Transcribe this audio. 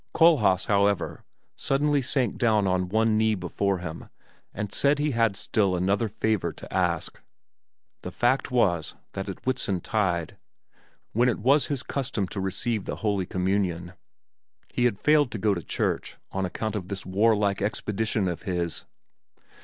Kohlhaas, however, suddenly sank down on one knee before him and said he had still another favor to ask of him the fact was, that at Whitsuntide, when it was his custom to receive the Holy Communion, he had failed to go to church on account of this warlike expedition of his.